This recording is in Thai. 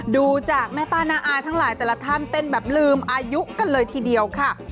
ดูจากแม่ป้าน้าอาทั้งหลายแต่ละท่านเต้นแบบลืมอายุกันเลยทีเดียวค่ะ